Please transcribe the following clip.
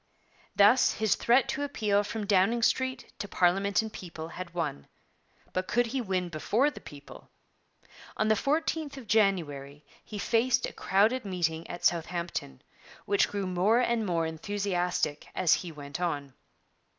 Thus his threat to appeal from Downing Street to parliament and people had won; but could he win before the people? On the 14th of January he faced a crowded meeting at Southampton, which grew more and more enthusiastic as he went on.